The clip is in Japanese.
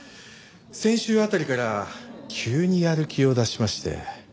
先週あたりから急にやる気を出しまして。